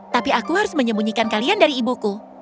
tapi aku harus menyembunyikan kalian dari ibuku